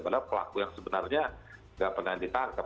padahal pelaku yang sebenarnya tidak pernah ditangkap